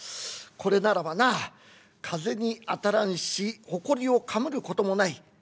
これならばなあ風に当たらんしほこりをかむることもない。